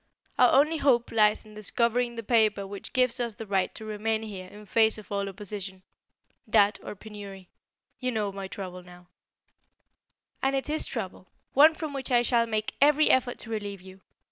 Our only hope lies in discovering the paper which gives us the right to remain here in face of all opposition. That or penury. Now you know my trouble." "And it is trouble; one from which I shall make every effort to relieve you.